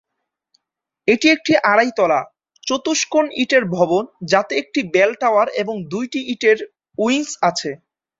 এটি একটি আড়াই তলা, চতুষ্কোণ ইটের ভবন, যাতে একটি বেল টাওয়ার এবং দুইটি ইটের উইংস আছে।